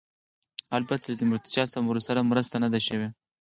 البته له تیمورشاه سره مرسته نه ده شوې.